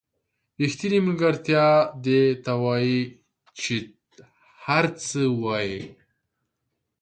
ریښتینې ملګرتیا دې ته وایي چې هر څه وایئ.